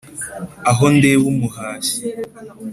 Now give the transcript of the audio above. Aho ndeba umuhashyi